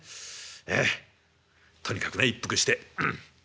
ええとにかくね一服してえ